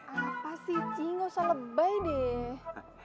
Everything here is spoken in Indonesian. apa sih cing gak usah lebay deh